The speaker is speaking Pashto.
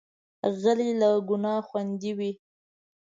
غلی، له ګناه خوندي وي.